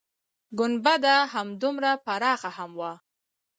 گنبده همدومره پراخه هم وه.